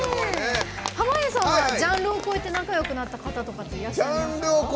濱家さんはジャンルを超えて仲よくなった方っていらっしゃいますか？